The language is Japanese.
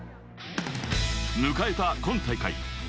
迎えた今大会。